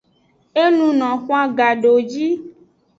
E luno xwan gadowoji.